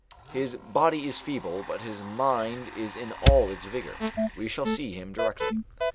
His body is feeble, but his mind is in all its vigour. We shall see him directly."